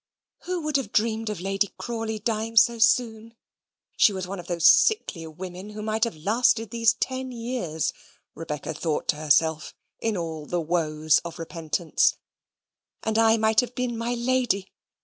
Who would have dreamed of Lady Crawley dying so soon? She was one of those sickly women that might have lasted these ten years Rebecca thought to herself, in all the woes of repentance and I might have been my lady!